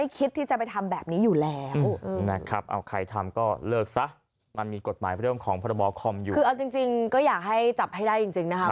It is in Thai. คือเอาจริงก็อยากให้จับให้ได้จริงนะคะ